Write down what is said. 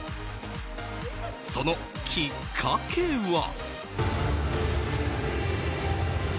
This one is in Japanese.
そのきっかけは？